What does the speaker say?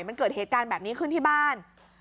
มันเกิดเหตุการณ์แบบนี้ขึ้นที่บ้าน